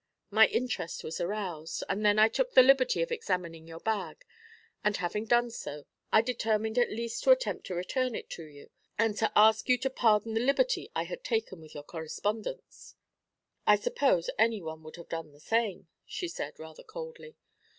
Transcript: My interest was aroused, and then I took the liberty of examining your bag, and having done so, I determined at least to attempt to return it to you, and to ask you to pardon the liberty I had taken with your correspondence.' 'I suppose anyone would have done the same,' she said, rather coldly.